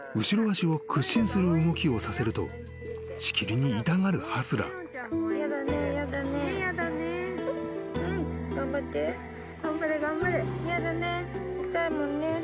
［後ろ足を屈伸する動きをさせるとしきりに痛がるハスラー］やだね。